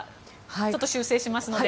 ちょっと修正しますので。